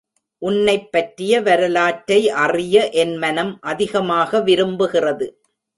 உன்னைப் பற்றிய வரலாற்றை அறிய என் மனம் அதிகமாக விரும்புகிறது.